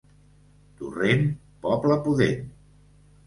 Torrent, poble pudent.